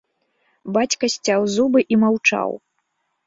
Бацька сцяў зубы і маўчаў.